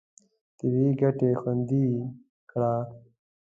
طبیعي ګټې خوندي کړه.